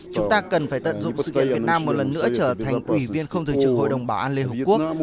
chúng ta cần phải tận dụng sự kiện việt nam một lần nữa trở thành quỷ viên không thường trưởng hội đồng bảo an liên hợp quốc